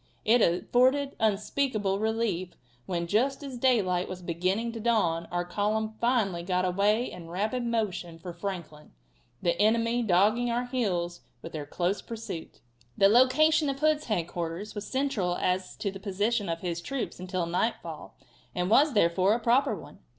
It afforded unspeakable relief when, just as daylight was beginning to dawn, our column finally got away in rapid motion for Franklin, the enemy dogging our heels with their close pursuit. The location of Hood's headquarters was central as to the position of his troops until nightfall, and was, therefore, a proper one.